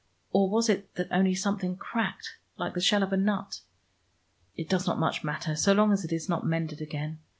Or was it that only something cracked, like the shell of a nut? It does not much matter, so long as it is not mended again.